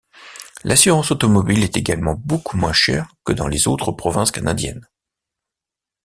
L'assurance-automobile est également beaucoup moins chère que dans les autres provinces canadiennes.